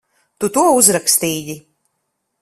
Tu to uzrakstīji?